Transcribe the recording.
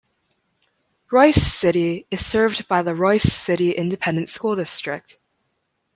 Royse City is served by the Royse City Independent School District.